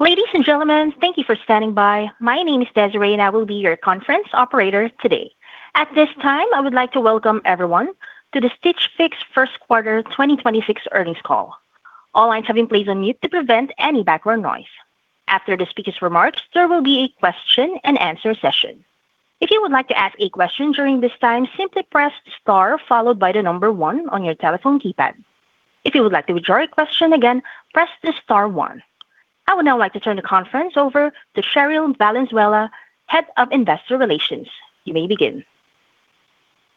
Ladies and gentlemen, thank you for standing by. My name is Desiree, and I will be your conference operator today. At this time, I would like to welcome everyone to the Stitch Fix First Quarter 2026 earnings call. All lines have been placed on mute to prevent any background noise. After the speaker's remarks, there will be a question-and-answer session. If you would like to ask a question during this time, simply press star followed by the number one on your telephone keypad. If you would like to withdraw your question again, press the star one. I would now like to turn the conference over to Cherryl Valenzuela, Head of Investor Relations. You may begin.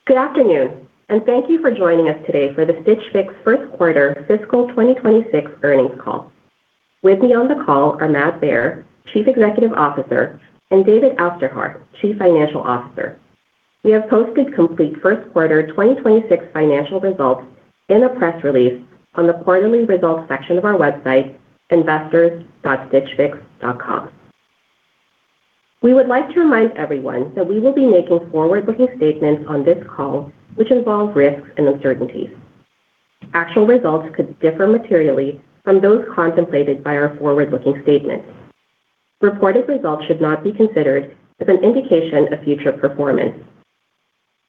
Good afternoon, and thank you for joining us today for the Stitch Fix First Quarter Fiscal 2026 earnings call. With me on the call are Matt Baer, Chief Executive Officer, and David Aufderhaar, Chief Financial Officer. We have posted complete First Quarter 2026 financial results in a press release on the quarterly results section of our website, investors.stitchfix.com. We would like to remind everyone that we will be making forward-looking statements on this call, which involve risks and uncertainties. Actual results could differ materially from those contemplated by our forward-looking statements. Reported results should not be considered as an indication of future performance.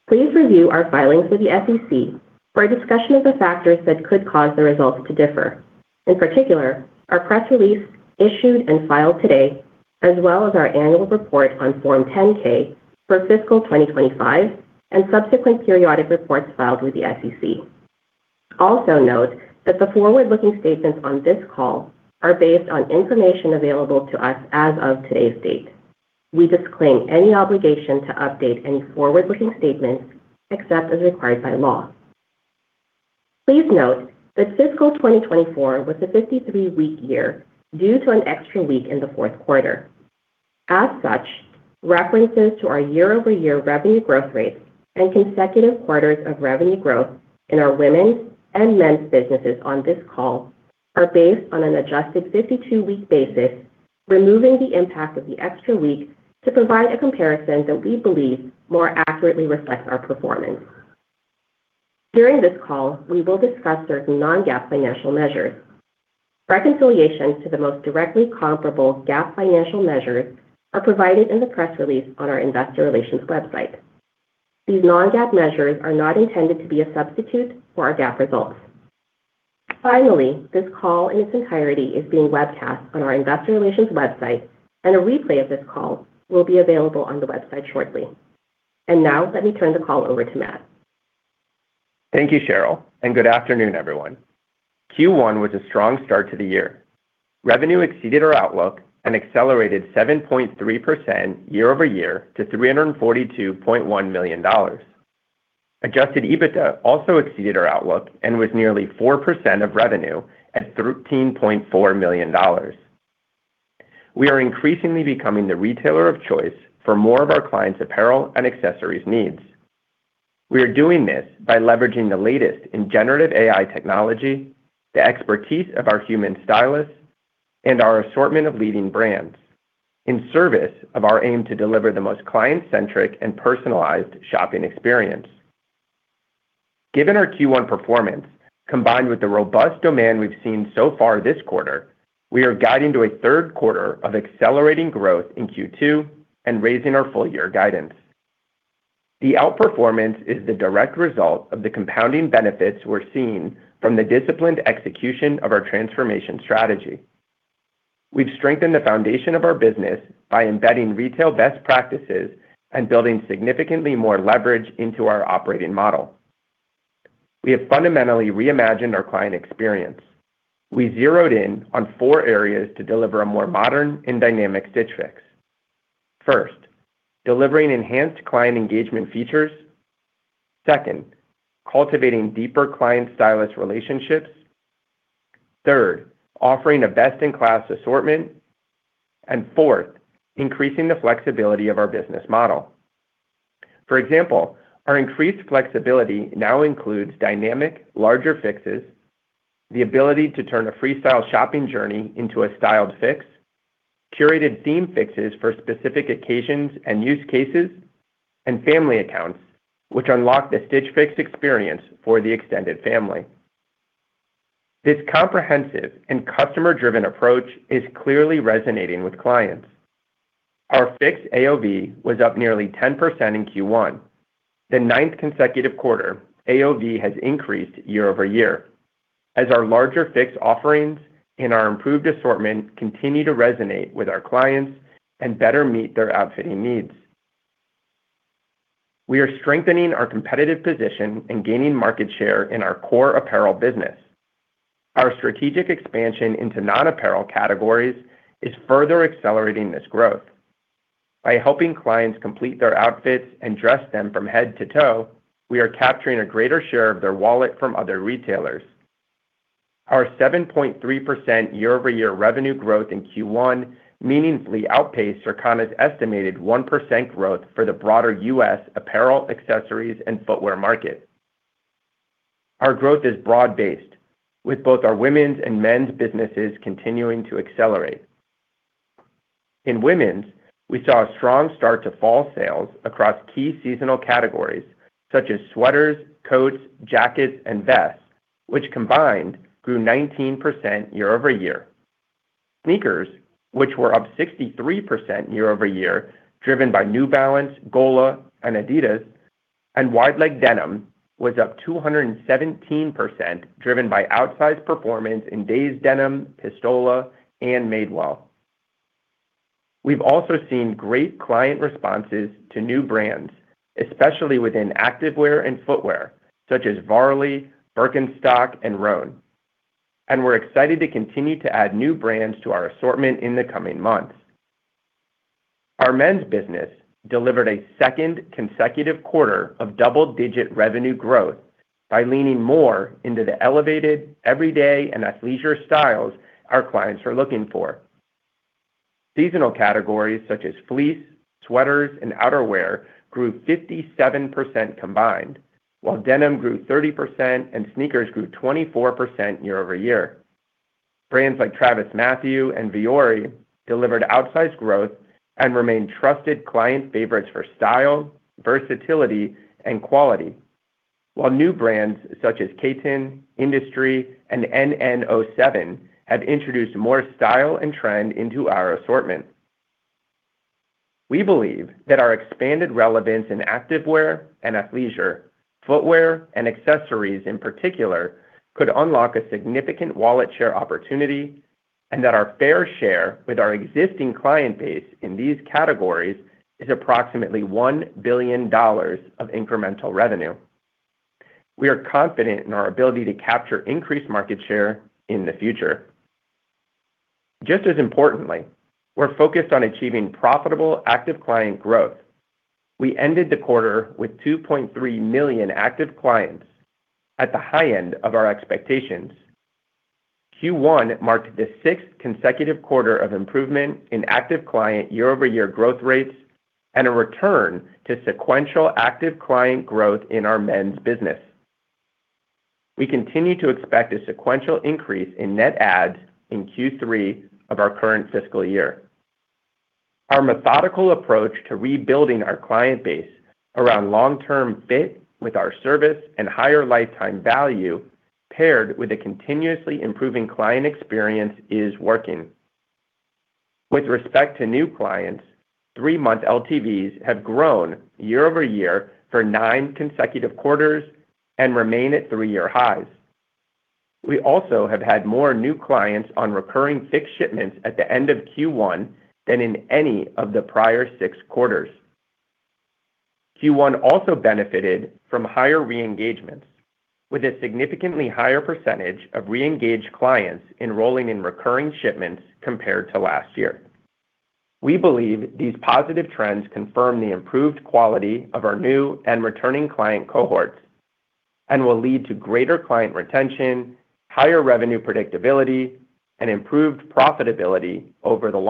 Please review our filings with the SEC for a discussion of the factors that could cause the results to differ. In particular, our press release issued and filed today, as well as our annual report on Form 10-K for Fiscal 2025 and subsequent periodic reports filed with the SEC. Also note that the forward-looking statements on this call are based on information available to us as of today's date. We disclaim any obligation to update any forward-looking statements except as required by law. Please note that Fiscal 2024 was a 53-week year due to an extra week in the fourth quarter. As such, references to our year-over-year revenue growth rates and consecutive quarters of revenue growth in our women's and men's businesses on this call are based on an adjusted 52-week basis, removing the impact of the extra week to provide a comparison that we believe more accurately reflects our performance. During this call, we will discuss certain non-GAAP financial measures. Reconciliations to the most directly comparable GAAP financial measures are provided in the press release on our Investor Relations website. These non-GAAP measures are not intended to be a substitute for our GAAP results. Finally, this call in its entirety is being webcast on our Investor Relations website, and a replay of this call will be available on the website shortly. And now, let me turn the call over to Matt. Thank you, Cherryl, and good afternoon, everyone. Q1 was a strong start to the year. Revenue exceeded our outlook and accelerated 7.3% year-over-year to $342.1 million. Adjusted EBITDA also exceeded our outlook and was nearly 4% of revenue at $13.4 million. We are increasingly becoming the retailer of choice for more of our clients' apparel and accessories needs. We are doing this by leveraging the latest in generative AI technology, the expertise of our human stylists, and our assortment of leading brands, in service of our aim to deliver the most client-centric and personalized shopping experience. Given our Q1 performance, combined with the robust demand we've seen so far this quarter, we are guiding to a third quarter of accelerating growth in Q2 and raising our full-year guidance. The outperformance is the direct result of the compounding benefits we're seeing from the disciplined execution of our transformation strategy. We've strengthened the foundation of our business by embedding retail best practices and building significantly more leverage into our operating model. We have fundamentally reimagined our client experience. We zeroed in on four areas to deliver a more modern and dynamic Stitch Fix. First, delivering enhanced client engagement features. Second, cultivating deeper client-stylist relationships. Third, offering a best-in-class assortment. And fourth, increasing the flexibility of our business model. For example, our increased flexibility now includes dynamic, larger Fixes, the ability to turn a Freestyle shopping journey into a styled Fix, curated Themed Fixes for specific occasions and use cases, and Family Accounts, which unlock the Stitch Fix experience for the extended family. This comprehensive and customer-driven approach is clearly resonating with clients. Our Fixed AOV was up nearly 10% in Q1. The ninth consecutive quarter, AOV has increased year-over-year as our larger Fix offerings and our improved assortment continue to resonate with our clients and better meet their outfitting needs. We are strengthening our competitive position and gaining market share in our core apparel business. Our strategic expansion into non-apparel categories is further accelerating this growth. By helping clients complete their outfits and dress them from head to toe, we are capturing a greater share of their wallet from other retailers. Our 7.3% year-over-year revenue growth in Q1 meaningfully outpaced Circana's estimated 1% growth for the broader U.S. apparel, accessories, and footwear market. Our growth is broad-based, with both our women's and men's businesses continuing to accelerate. In women's, we saw a strong start to fall sales across key seasonal categories such as sweaters, coats, jackets, and vests, which combined grew 19% year-over-year. Sneakers, which were up 63% year-over-year driven by New Balance, Gola, and Adidas, and wide-leg denim was up 217% driven by outsized performance in Daze Denim, Pistola, and Madewell. We've also seen great client responses to new brands, especially within activewear and footwear such as Varley, Birkenstock, and Rhone, and we're excited to continue to add new brands to our assortment in the coming months. Our men's business delivered a second consecutive quarter of double-digit revenue growth by leaning more into the elevated everyday and athleisure styles our clients are looking for. Seasonal categories such as fleece, sweaters, and outerwear grew 57% combined, while denim grew 30% and sneakers grew 24% year-over-year. Brands like TravisMathew and Vuori delivered outsized growth and remain trusted client favorites for style, versatility, and quality, while new brands such as Katin, Industrie, and NN.07 have introduced more style and trend into our assortment. We believe that our expanded relevance in activewear and athleisure, footwear and accessories in particular, could unlock a significant wallet share opportunity and that our fair share with our existing client base in these categories is approximately $1 billion of incremental revenue. We are confident in our ability to capture increased market share in the future. Just as importantly, we're focused on achieving profitable active client growth. We ended the quarter with 2.3 million active clients at the high end of our expectations. Q1 marked the sixth consecutive quarter of improvement in active client year-over-year growth rates and a return to sequential active client growth in our men's business. We continue to expect a sequential increase in net adds in Q3 of our current fiscal year. Our methodical approach to rebuilding our client base around long-term fit with our service and higher lifetime value, paired with a continuously improving client experience, is working. With respect to new clients, three-month LTVs have grown year-over-year for nine consecutive quarters and remain at three-year highs. We also have had more new clients on recurring Fix shipments at the end of Q1 than in any of the prior six quarters. Q1 also benefited from higher re-engagements, with a significantly higher percentage of re-engaged clients enrolling in recurring shipments compared to last year. We believe these positive trends confirm the improved quality of our new and returning client cohorts and will lead to greater client retention, higher revenue predictability, and improved profitability over the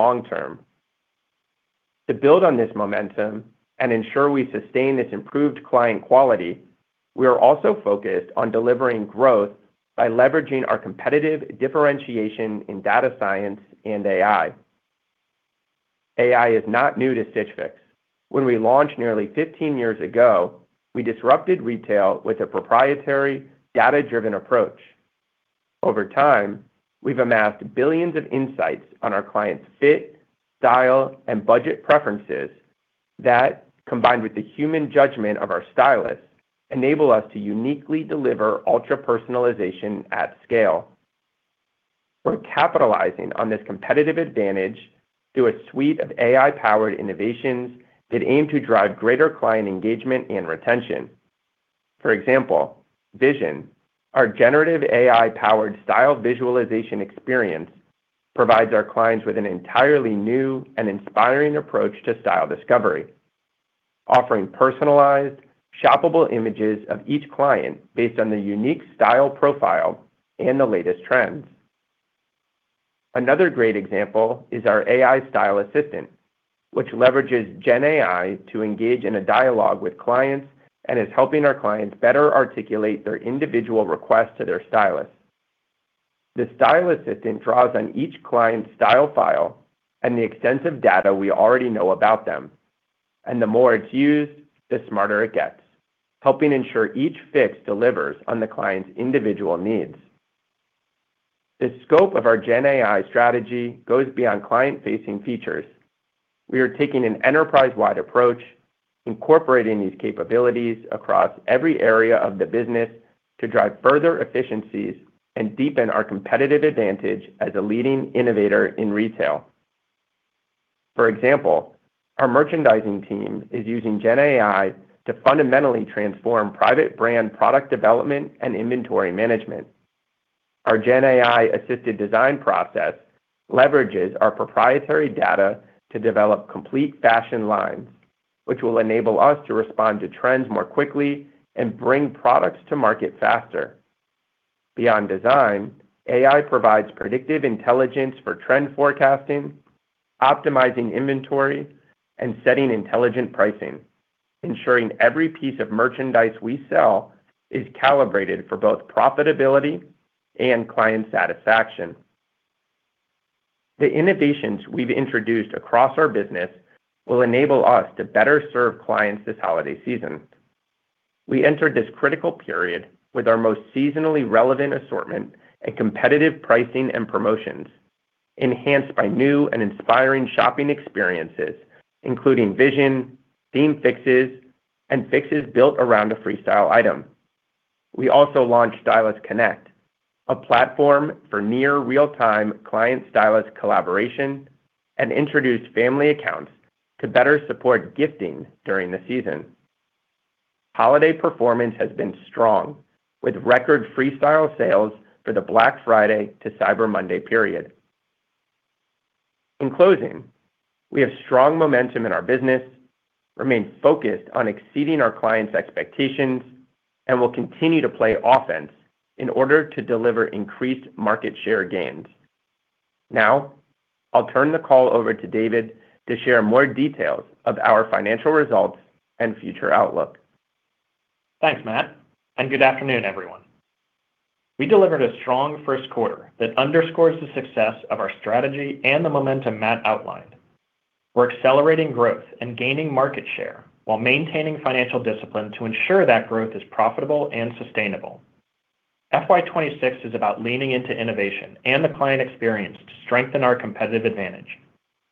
long term. To build on this momentum and ensure we sustain this improved client quality, we are also focused on delivering growth by leveraging our competitive differentiation in data science and AI. AI is not new to Stitch Fix. When we launched nearly 15 years ago, we disrupted retail with a proprietary, data-driven approach. Over time, we've amassed billions of insights on our clients' fit, style, and budget preferences that, combined with the human judgment of our stylists, enable us to uniquely deliver ultra-personalization at scale. We're capitalizing on this competitive advantage through a suite of AI-powered innovations that aim to drive greater client engagement and retention. For example, Vision, our generative AI-powered style visualization experience, provides our clients with an entirely new and inspiring approach to style discovery, offering personalized, shoppable images of each client based on their unique Style Profile and the latest trends. Another great example is our AI Style Assistant, which leverages GenAI to engage in a dialogue with clients and is helping our clients better articulate their individual requests to their stylist. The Style Assistant draws on each client's style file and the extensive data we already know about them, and the more it's used, the smarter it gets, helping ensure each Fix delivers on the client's individual needs. The scope of our GenAI strategy goes beyond client-facing features. We are taking an enterprise-wide approach, incorporating these capabilities across every area of the business to drive further efficiencies and deepen our competitive advantage as a leading innovator in retail. For example, our merchandising team is using GenAI to fundamentally transform private-brand product development and inventory management. Our GenAI-assisted design process leverages our proprietary data to develop complete fashion lines, which will enable us to respond to trends more quickly and bring products to market faster. Beyond design, AI provides predictive intelligence for trend forecasting, optimizing inventory, and setting intelligent pricing, ensuring every piece of merchandise we sell is calibrated for both profitability and client satisfaction. The innovations we've introduced across our business will enable us to better serve clients this holiday season. We entered this critical period with our most seasonally relevant assortment and competitive pricing and promotions, enhanced by new and inspiring shopping experiences, including Vision, theme Fixes, and Fixes built around a Freestyle item. We also launched Stylist Connect, a platform for near-real-time client-stylist collaboration, and introduced Family Accounts to better support gifting during the season. Holiday performance has been strong, with record Freestyle sales for the Black Friday to Cyber Monday period. In closing, we have strong momentum in our business, remain focused on exceeding our clients' expectations, and will continue to play offense in order to deliver increased market share gains. Now, I'll turn the call over to David to share more details of our financial results and future outlook. Thanks, Matt. And good afternoon, everyone. We delivered a strong first quarter that underscores the success of our strategy and the momentum Matt outlined. We're accelerating growth and gaining market share while maintaining financial discipline to ensure that growth is profitable and sustainable. FY26 is about leaning into innovation and the client experience to strengthen our competitive advantage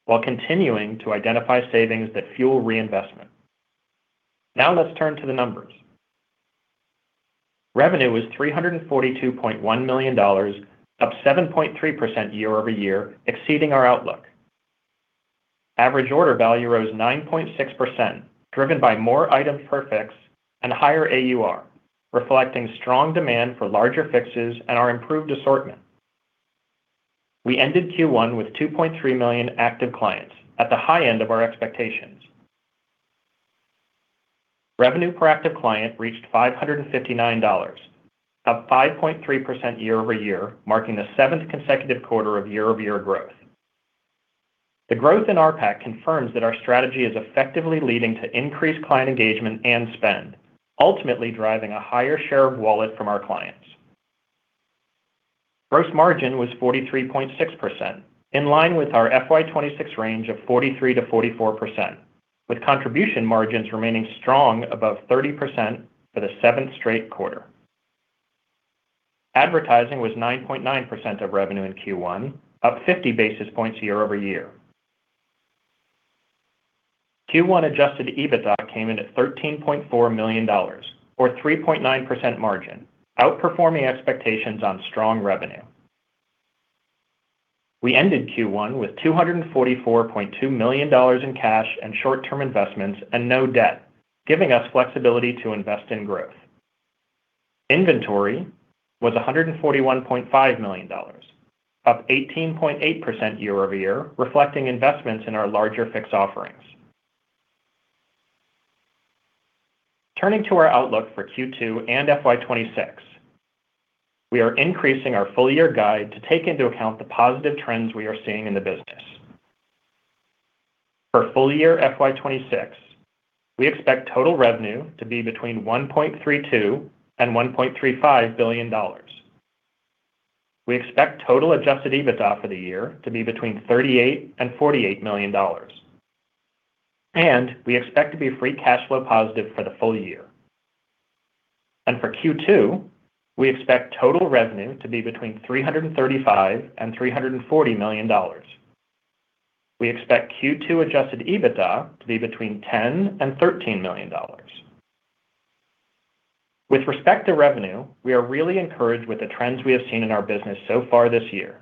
while continuing to identify savings that fuel reinvestment. Now let's turn to the numbers. Revenue was $342.1 million, up 7.3% year-over-year, exceeding our outlook. Average order value rose 9.6%, driven by more items per Fix and higher AUR, reflecting strong demand for larger Fixes and our improved assortment. We ended Q1 with 2.3 million active clients at the high end of our expectations. Revenue per active client reached $559, up 5.3% year-over-year, marking the seventh consecutive quarter of year-over-year growth. The growth in RPAC confirms that our strategy is effectively leading to increased client engagement and spend, ultimately driving a higher share of wallet from our clients. Gross margin was 43.6%, in line with our FY26 range of 43%-44%, with contribution margins remaining strong above 30% for the seventh straight quarter. Advertising was 9.9% of revenue in Q1, up 50 basis points year-over-year. Q1-adjusted EBITDA came in at $13.4 million, or 3.9% margin, outperforming expectations on strong revenue. We ended Q1 with $244.2 million in cash and short-term investments and no debt, giving us flexibility to invest in growth. Inventory was $141.5 million, up 18.8% year-over-year, reflecting investments in our larger Fix offerings. Turning to our outlook for Q2 and FY26, we are increasing our full-year guide to take into account the positive trends we are seeing in the business. For full-year FY26, we expect total revenue to be between $1.32 and $1.35 billion. We expect total Adjusted EBITDA for the year to be between $38 and $48 million, and we expect to be free cash flow positive for the full year, and for Q2, we expect total revenue to be between $335 and $340 million. We expect Q2 Adjusted EBITDA to be between $10 and $13 million. With respect to revenue, we are really encouraged with the trends we have seen in our business so far this year.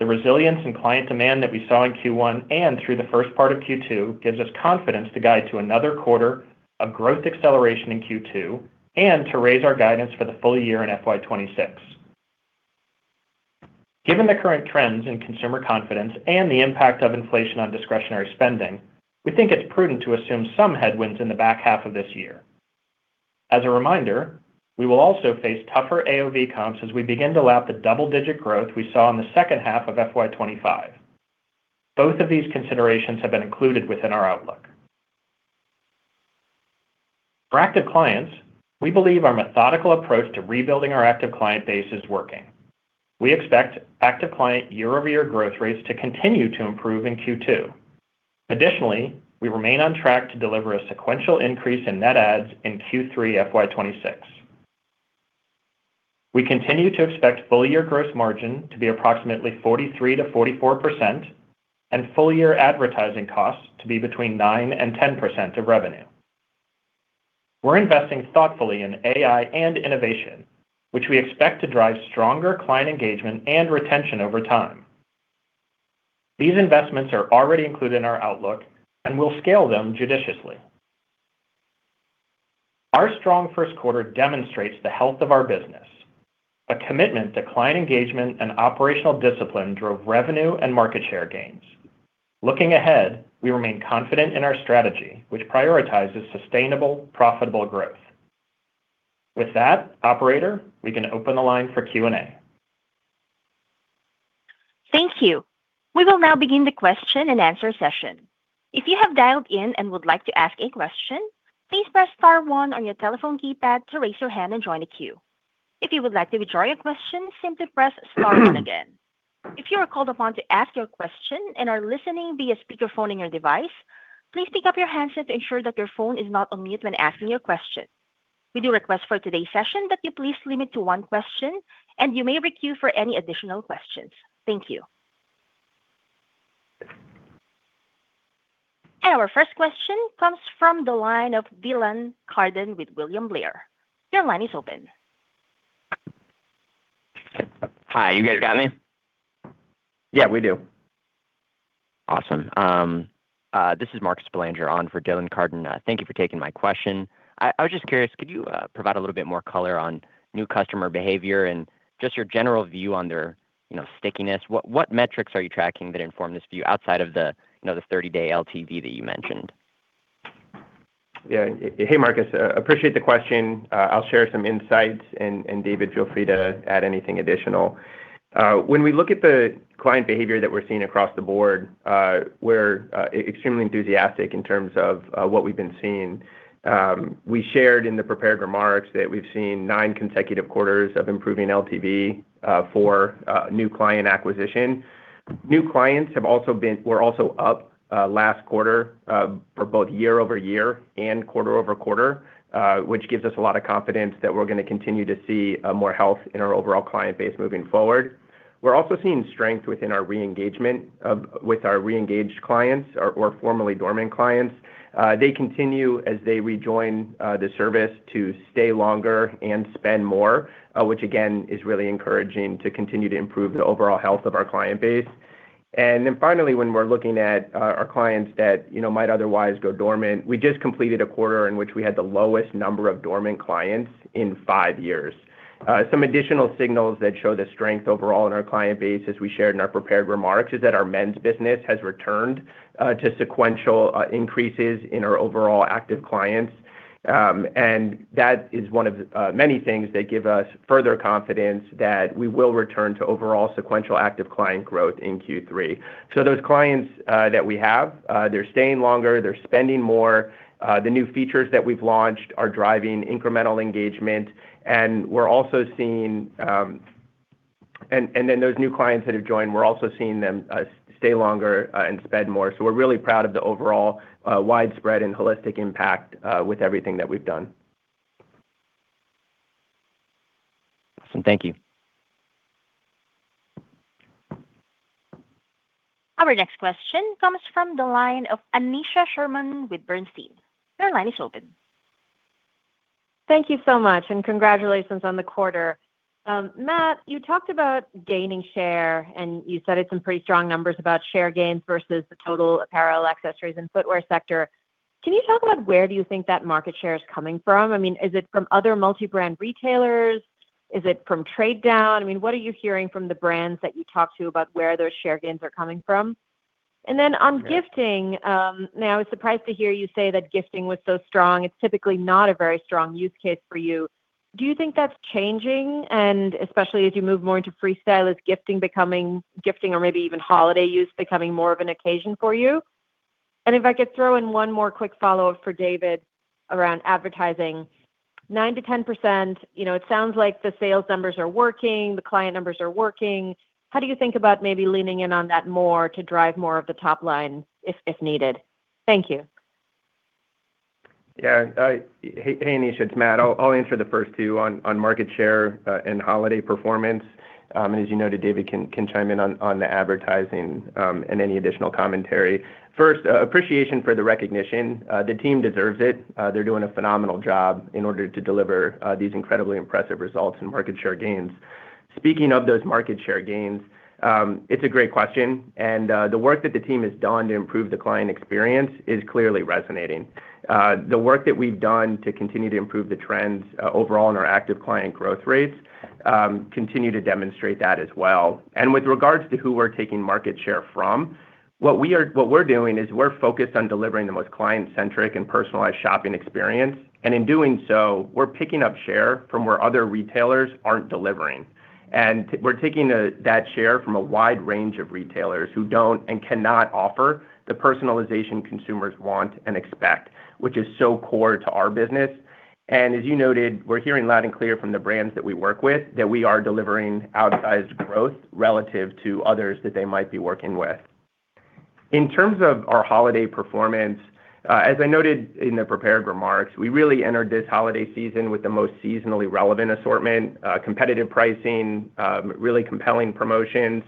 The resilience and client demand that we saw in Q1 and through the first part of Q2 gives us confidence to guide to another quarter of growth acceleration in Q2 and to raise our guidance for the full year in FY26. Given the current trends in consumer confidence and the impact of inflation on discretionary spending, we think it's prudent to assume some headwinds in the back half of this year. As a reminder, we will also face tougher AOV comps as we begin to lap the double-digit growth we saw in the second half of FY25. Both of these considerations have been included within our outlook. For active clients, we believe our methodical approach to rebuilding our active client base is working. We expect active client year-over-year growth rates to continue to improve in Q2. Additionally, we remain on track to deliver a sequential increase in net adds in Q3 FY26. We continue to expect full-year gross margin to be approximately 43%-44% and full-year advertising costs to be between 9% and 10% of revenue. We're investing thoughtfully in AI and innovation, which we expect to drive stronger client engagement and retention over time. These investments are already included in our outlook, and we'll scale them judiciously. Our strong first quarter demonstrates the health of our business. A commitment to client engagement and operational discipline drove revenue and market share gains. Looking ahead, we remain confident in our strategy, which prioritizes sustainable, profitable growth. With that, Operator, we can open the line for Q&A. Thank you. We will now begin the question and answer session. If you have dialed in and would like to ask a question, please press Star 1 on your telephone keypad to raise your hand and join the queue. If you would like to withdraw your question, simply press Star 1 again. If you are called upon to ask your question and are listening via speakerphone on your device, please pick up your handset to ensure that your phone is not on mute when asking your question. We do request for today's session that you please limit to one question, and you may request for any additional questions. Thank you, and our first question comes from the line of Dylan Carden with William Blair. Your line is open. Hi, you guys got me? Yeah, we do. Awesome. This is Marcus Belanger on for Dylan Carden. Thank you for taking my question. I was just curious, could you provide a little bit more color on new customer behavior and just your general view on their stickiness? What metrics are you tracking that inform this view outside of the 30-day LTV that you mentioned? Yeah. Hey, Marcus. Appreciate the question. I'll share some insights, and David, feel free to add anything additional. When we look at the client behavior that we're seeing across the board, we're extremely enthusiastic in terms of what we've been seeing. We shared in the prepared remarks that we've seen nine consecutive quarters of improving LTV for new client acquisition. New clients have also been up last quarter for both year-over-year and quarter-over-quarter, which gives us a lot of confidence that we're going to continue to see more health in our overall client base moving forward. We're also seeing strength within our re-engagement with our re-engaged clients or formerly dormant clients. They continue, as they rejoin the service, to stay longer and spend more, which, again, is really encouraging to continue to improve the overall health of our client base. And then finally, when we're looking at our clients that might otherwise go dormant, we just completed a quarter in which we had the lowest number of dormant clients in five years. Some additional signals that show the strength overall in our client base, as we shared in our prepared remarks, is that our men's business has returned to sequential increases in our overall active clients. And that is one of many things that give us further confidence that we will return to overall sequential active client growth in Q3. So those clients that we have, they're staying longer, they're spending more. The new features that we've launched are driving incremental engagement, and we're also seeing—and then those new clients that have joined, we're also seeing them stay longer and spend more. So we're really proud of the overall widespread and holistic impact with everything that we've done. Awesome. Thank you. Our next question comes from the line of Aneesha Sherman with Bernstein. Your line is open. Thank you so much, and congratulations on the quarter. Matt, you talked about gaining share, and you cited some pretty strong numbers about share gains versus the total apparel, accessories, and footwear sector. Can you talk about where do you think that market share is coming from? I mean, is it from other multi-brand retailers? Is it from trade down? I mean, what are you hearing from the brands that you talk to about where those share gains are coming from? And then on gifting, I was surprised to hear you say that gifting was so strong. It's typically not a very strong use case for you. Do you think that's changing? And especially as you move more into Freestyle, is gifting becoming, gifting or maybe even holiday use becoming more of an occasion for you? And if I could throw in one more quick follow-up for David around advertising. 9%-10%, it sounds like the sales numbers are working, the client numbers are working. How do you think about maybe leaning in on that more to drive more of the top line if needed? Thank you. Yeah. Hey, Aneesha. It's Matt. I'll answer the first two on market share and holiday performance, and as you noted, David can chime in on the advertising and any additional commentary. First, appreciation for the recognition. The team deserves it. They're doing a phenomenal job in order to deliver these incredibly impressive results and market share gains. Speaking of those market share gains, it's a great question, and the work that the team has done to improve the client experience is clearly resonating. The work that we've done to continue to improve the trends overall in our active client growth rates continues to demonstrate that as well, and with regards to who we're taking market share from, what we're doing is we're focused on delivering the most client-centric and personalized shopping experience, and in doing so, we're picking up share from where other retailers aren't delivering. We're taking that share from a wide range of retailers who don't and cannot offer the personalization consumers want and expect, which is so core to our business. As you noted, we're hearing loud and clear from the brands that we work with that we are delivering outsized growth relative to others that they might be working with. In terms of our holiday performance, as I noted in the prepared remarks, we really entered this holiday season with the most seasonally relevant assortment, competitive pricing, really compelling promotions,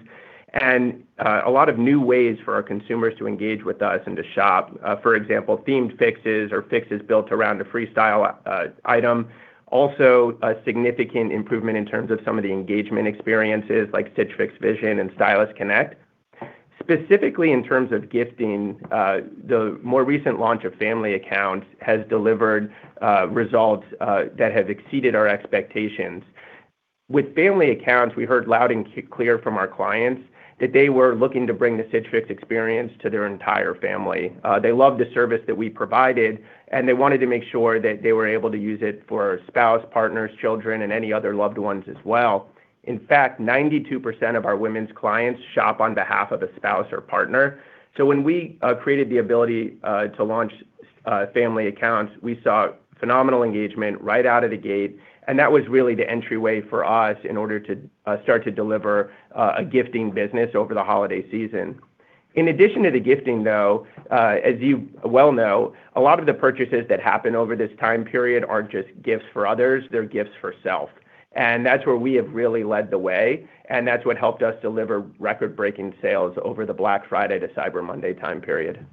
and a lot of new ways for our consumers to engage with us and to shop. For example, Themed Fixes or Fixes built around a Freestyle item. Also, a significant improvement in terms of some of the engagement experiences like Stitch Fix Vision and Stylist Connect. Specifically in terms of gifting, the more recent launch of Family Accounts has delivered results that have exceeded our expectations. With Family Accounts, we heard loud and clear from our clients that they were looking to bring the Stitch Fix experience to their entire family. They loved the service that we provided, and they wanted to make sure that they were able to use it for spouse, partners, children, and any other loved ones as well. In fact, 92% of our women's clients shop on behalf of a spouse or partner. So when we created the ability to launch Family Accounts, we saw phenomenal engagement right out of the gate, and that was really the entryway for us in order to start to deliver a gifting business over the holiday season. In addition to the gifting, though, as you well know, a lot of the purchases that happen over this time period aren't just gifts for others. They're gifts for self. And that's where we have really led the way, and that's what helped us deliver record-breaking sales over the Black Friday to Cyber Monday time period.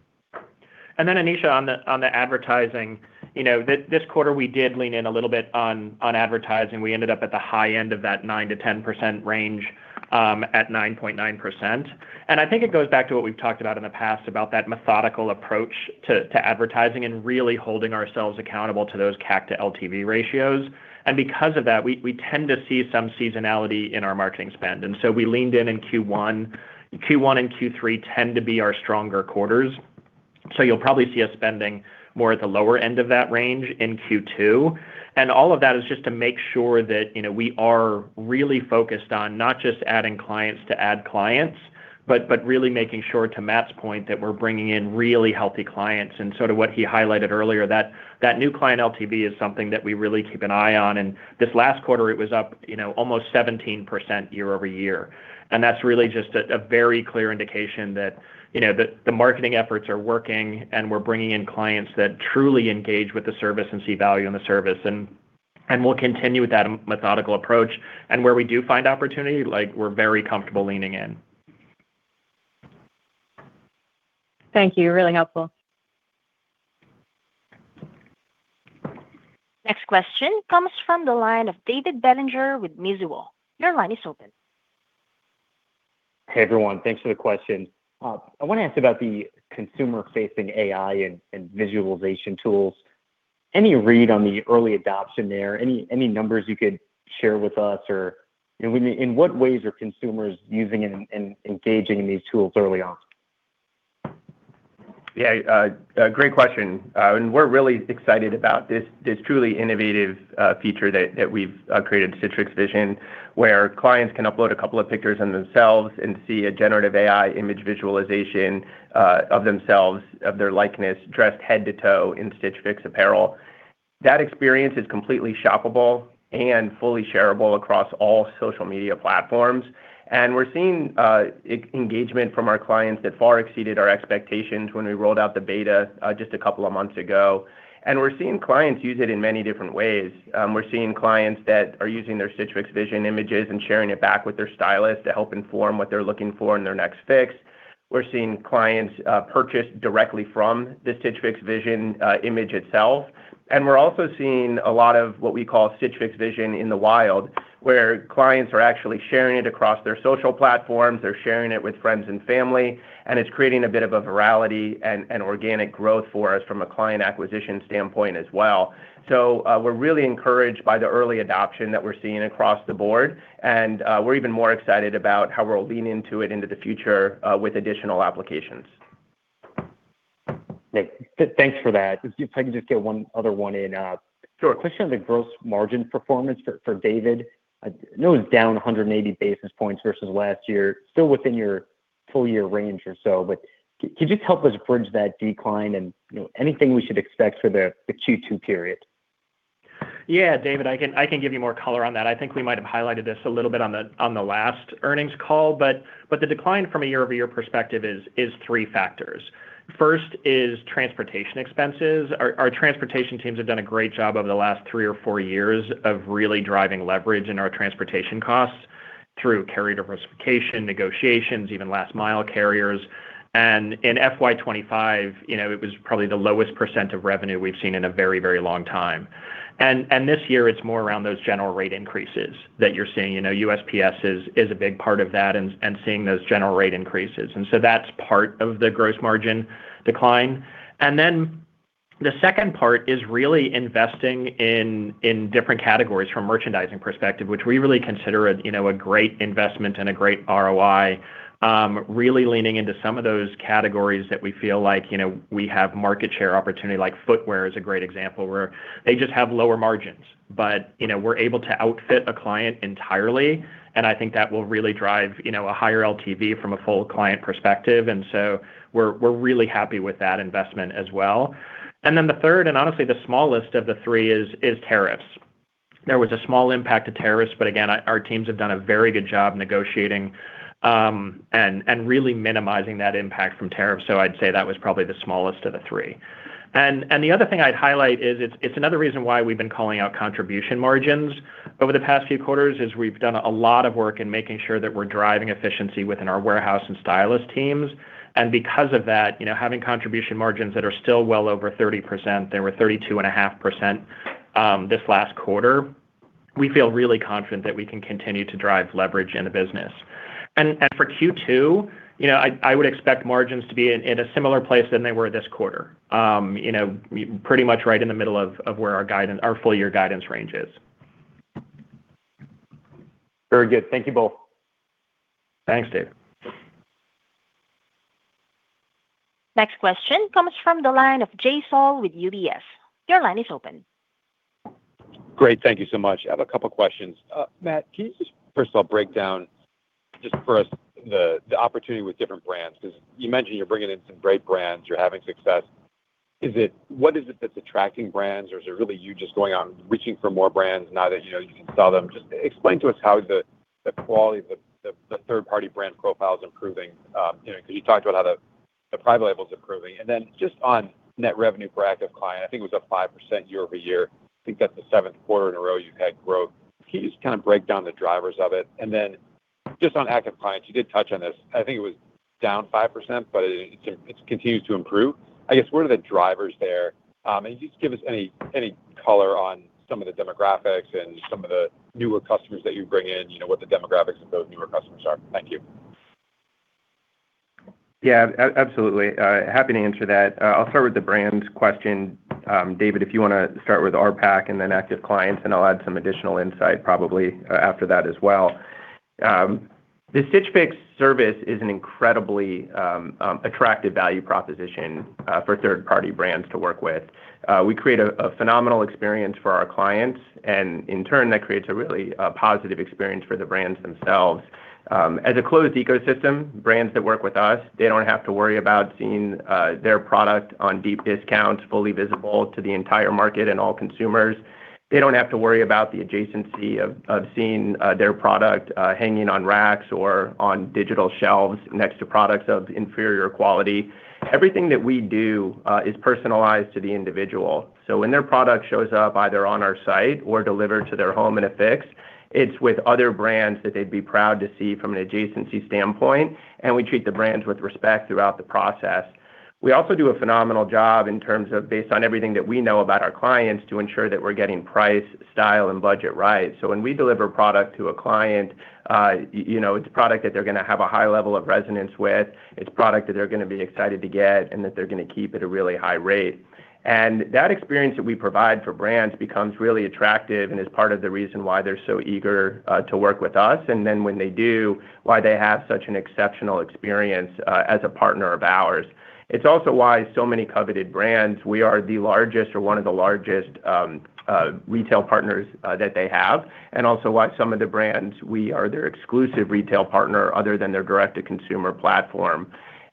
Then, Aneesha, on the advertising, this quarter we did lean in a little bit on advertising. We ended up at the high end of that 9%-10% range at 9.9%. I think it goes back to what we've talked about in the past about that methodical approach to advertising and really holding ourselves accountable to those CAC to LTV ratios. Because of that, we tend to see some seasonality in our marketing spend. We leaned in in Q1. Q1 and Q3 tend to be our stronger quarters. You'll probably see us spending more at the lower end of that range in Q2. All of that is just to make sure that we are really focused on not just adding clients to add clients, but really making sure, to Matt's point, that we're bringing in really healthy clients. Sort of what he highlighted earlier, that new client LTV is something that we really keep an eye on. This last quarter, it was up almost 17% year-over-year. That's really just a very clear indication that the marketing efforts are working, and we're bringing in clients that truly engage with the service and see value in the service. We'll continue with that methodical approach. Where we do find opportunity, we're very comfortable leaning in. Thank you. Really helpful. Next question comes from the line of David Bellinger with Mizuho. Your line is open. Hey, everyone. Thanks for the question. I want to ask about the consumer-facing AI and visualization tools. Any read on the early adoption there? Any numbers you could share with us? Or in what ways are consumers using and engaging in these tools early on? Yeah. Great question, and we're really excited about this truly innovative feature that we've created, Stitch Fix Vision, where clients can upload a couple of pictures of themselves and see a Generative AI image visualization of themselves, of their likeness, dressed head to toe in Stitch Fix apparel. That experience is completely shoppable and fully shareable across all social media platforms, and we're seeing engagement from our clients that far exceeded our expectations when we rolled out the beta just a couple of months ago, and we're seeing clients use it in many different ways. We're seeing clients that are using their Stitch Fix Vision images and sharing it back with their stylist to help inform what they're looking for in their next Fix. We're seeing clients purchase directly from the Stitch Fix Vision image itself. We're also seeing a lot of what we call Stitch Fix Vision in the wild, where clients are actually sharing it across their social platforms. They're sharing it with friends and family. It's creating a bit of a virality and organic growth for us from a client acquisition standpoint as well. We're really encouraged by the early adoption that we're seeing across the board. We're even more excited about how we'll lean into it into the future with additional applications. Thanks for that. If I can just get one other one in. Sure. Question on the gross margin performance for David. I know it's down 180 basis points versus last year. Still within your full-year range or so. But can you just help us bridge that decline and anything we should expect for the Q2 period? Yeah, David, I can give you more color on that. I think we might have highlighted this a little bit on the last earnings call. But the decline from a year-over-year perspective is three factors. First is transportation expenses. Our transportation teams have done a great job over the last three or four years of really driving leverage in our transportation costs through carrier diversification, negotiations, even last-mile carriers. And in FY 2025, it was probably the lowest % of revenue we've seen in a very, very long time. And this year, it's more around those general rate increases that you're seeing. USPS is a big part of that and seeing those general rate increases. And so that's part of the gross margin decline. And then the second part is really investing in different categories from a merchandising perspective, which we really consider a great investment and a great ROI, really leaning into some of those categories that we feel like we have market share opportunity. Footwear is a great example where they just have lower margins, but we're able to outfit a client entirely. And I think that will really drive a higher LTV from a full client perspective. And so we're really happy with that investment as well. And then the third, and honestly the smallest of the three, is tariffs. There was a small impact to tariffs, but again, our teams have done a very good job negotiating and really minimizing that impact from tariffs. So I'd say that was probably the smallest of the three. And the other thing I'd highlight is it's another reason why we've been calling out contribution margins over the past few quarters. Is we've done a lot of work in making sure that we're driving efficiency within our warehouse and stylist teams. And because of that, having contribution margins that are still well over 30%, they were 32.5% this last quarter, we feel really confident that we can continue to drive leverage in the business. And for Q2, I would expect margins to be in a similar place than they were this quarter, pretty much right in the middle of where our full-year guidance range is. Very good. Thank you both. Thanks, David. Next question comes from the line of Jay Sole with UBS. Your line is open. Great. Thank you so much. I have a couple of questions. Matt, can you just first of all break down just for us the opportunity with different brands? Because you mentioned you're bringing in some great brands. You're having success. What is it that's attracting brands, or is it really you just going out and reaching for more brands now that you can sell them? Just explain to us how the quality of the third-party brand profile is improving. Because you talked about how the private label is improving. And then just on net revenue per active client, I think it was up 5% year-over-year. I think that's the seventh quarter in a row you've had growth. Can you just kind of break down the drivers of it? And then just on active clients, you did touch on this. I think it was down 5%, but it continues to improve. I guess, what are the drivers there? And just give us any color on some of the demographics and some of the newer customers that you bring in, what the demographics of those newer customers are. Thank you. Yeah. Absolutely. Happy to answer that. I'll start with the brands question. David, if you want to start with RPAC and then active clients, and I'll add some additional insight probably after that as well. The Stitch Fix service is an incredibly attractive value proposition for third-party brands to work with. We create a phenomenal experience for our clients, and in turn, that creates a really positive experience for the brands themselves. As a closed ecosystem, brands that work with us, they don't have to worry about seeing their product on deep discounts fully visible to the entire market and all consumers. They don't have to worry about the adjacency of seeing their product hanging on racks or on digital shelves next to products of inferior quality. Everything that we do is personalized to the individual. So when their product shows up either on our site or delivered to their home in a Fix, it's with other brands that they'd be proud to see from an adjacency standpoint. And we treat the brands with respect throughout the process. We also do a phenomenal job in terms of, based on everything that we know about our clients, to ensure that we're getting price, style, and budget right. So when we deliver product to a client, it's a product that they're going to have a high level of resonance with. It's a product that they're going to be excited to get and that they're going to keep at a really high rate. And that experience that we provide for brands becomes really attractive and is part of the reason why they're so eager to work with us. And then when they do, why they have such an exceptional experience as a partner of ours. It's also why so many coveted brands, we are the largest or one of the largest retail partners that they have. And also why some of the brands, we are their exclusive retail partner other than their direct-to-consumer platform.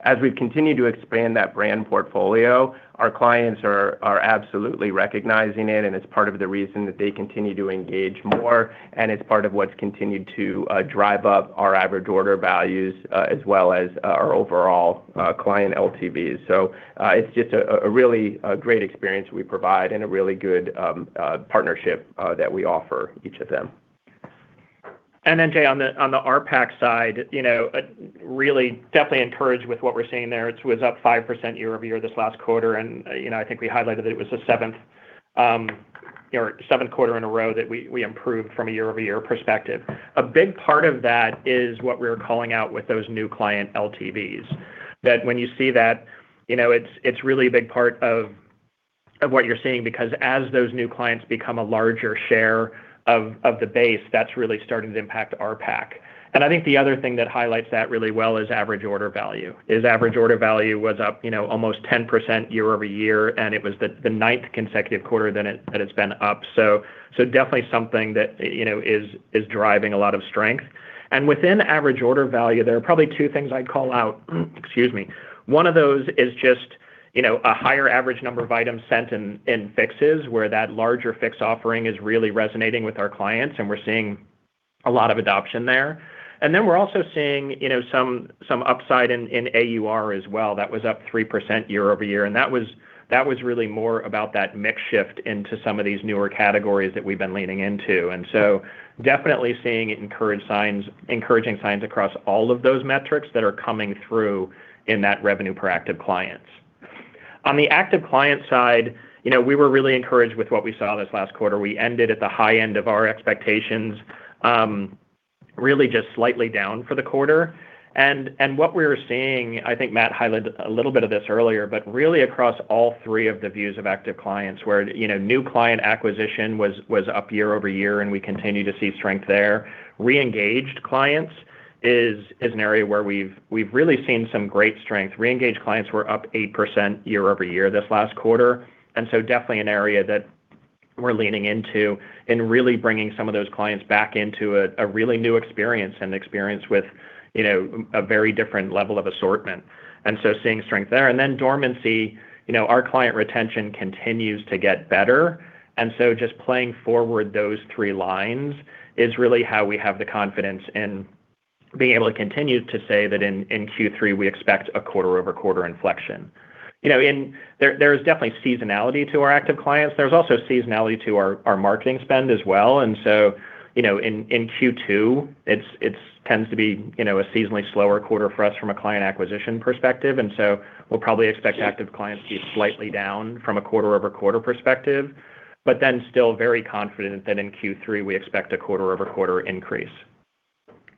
As we've continued to expand that brand portfolio, our clients are absolutely recognizing it, and it's part of the reason that they continue to engage more. And it's part of what's continued to drive up our average order values as well as our overall client LTV. So it's just a really great experience we provide and a really good partnership that we offer each of them. And then, Jay, on the RPAC side, really definitely encouraged with what we're seeing there. It was up 5% year-over-year this last quarter. And I think we highlighted that it was the seventh quarter in a row that we improved from a year-over-year perspective. A big part of that is what we're calling out with those new client LTVs. That when you see that, it's really a big part of what you're seeing because as those new clients become a larger share of the base, that's really starting to impact RPAC. And I think the other thing that highlights that really well is average order value. Average order value was up almost 10% year-over-year, and it was the ninth consecutive quarter that it's been up. So definitely something that is driving a lot of strength. And within average order value, there are probably two things I'd call out. Excuse me. One of those is just a higher average number of items sent in Fixes where that larger Fix offering is really resonating with our clients, and we're seeing a lot of adoption there. And then we're also seeing some upside in AUR as well. That was up 3% year-over-year. And that was really more about that mix shift into some of these newer categories that we've been leaning into. And so definitely seeing encouraging signs across all of those metrics that are coming through in that revenue per active clients. On the active client side, we were really encouraged with what we saw this last quarter. We ended at the high end of our expectations, really just slightly down for the quarter. What we're seeing, I think Matt highlighted a little bit of this earlier, but really across all three of the views of active clients where new client acquisition was up year-over-year, and we continue to see strength there. Re-engaged clients is an area where we've really seen some great strength. Re-engaged clients were up 8% year-over-year this last quarter. And so definitely an area that we're leaning into in really bringing some of those clients back into a really new experience and experience with a very different level of assortment. And so seeing strength there. And then dormancy, our client retention continues to get better. And so just playing forward those three lines is really how we have the confidence in being able to continue to say that in Q3, we expect a quarter-over-quarter inflection. There is definitely seasonality to our active clients. There's also seasonality to our marketing spend as well. And so in Q2, it tends to be a seasonally slower quarter for us from a client acquisition perspective. And so we'll probably expect active clients to be slightly down from a quarter-over-quarter perspective. But then still very confident that in Q3, we expect a quarter-over-quarter increase.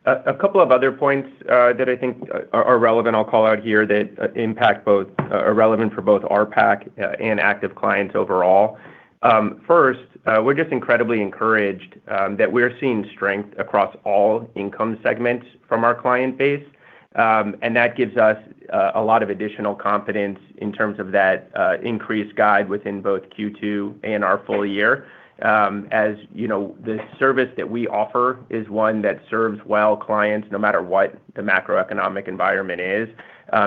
A couple of other points that I think are relevant I'll call out here that are relevant for both RPAC and active clients overall. First, we're just incredibly encouraged that we're seeing strength across all income segments from our client base. And that gives us a lot of additional confidence in terms of that increased guidance within both Q2 and our full year. As the service that we offer is one that serves well clients no matter what the macroeconomic environment is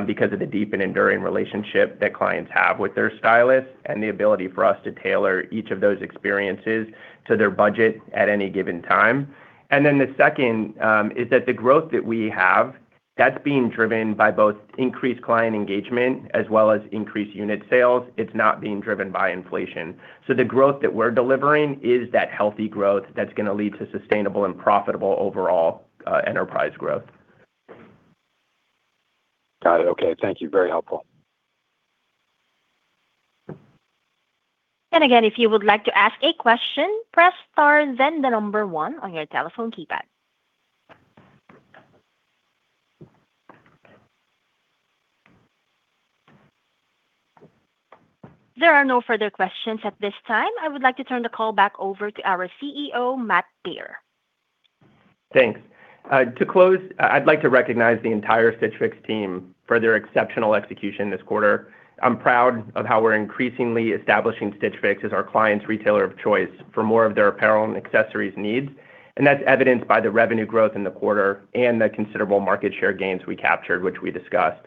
because of the deep and enduring relationship that clients have with their stylists and the ability for us to tailor each of those experiences to their budget at any given time. And then the second is that the growth that we have, that's being driven by both increased client engagement as well as increased unit sales. It's not being driven by inflation. So the growth that we're delivering is that healthy growth that's going to lead to sustainable and profitable overall enterprise growth. Got it. Okay. Thank you. Very helpful. Again, if you would like to ask a question, press star, then the number one on your telephone keypad. There are no further questions at this time. I would like to turn the call back over to our CEO, Matt Baer. Thanks. To close, I'd like to recognize the entire Stitch Fix team for their exceptional execution this quarter. I'm proud of how we're increasingly establishing Stitch Fix as our client's retailer of choice for more of their apparel and accessories needs. And that's evidenced by the revenue growth in the quarter and the considerable market share gains we captured, which we discussed.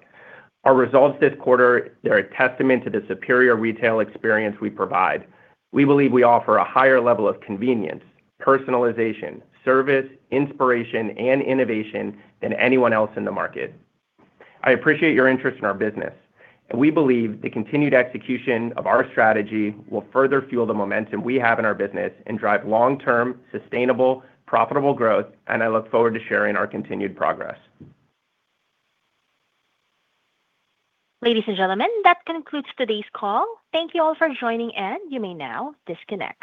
Our results this quarter, they're a testament to the superior retail experience we provide. We believe we offer a higher level of convenience, personalization, service, inspiration, and innovation than anyone else in the market. I appreciate your interest in our business. And we believe the continued execution of our strategy will further fuel the momentum we have in our business and drive long-term, sustainable, profitable growth. And I look forward to sharing our continued progress. Ladies and gentlemen, that concludes today's call. Thank you all for joining, and you may now disconnect.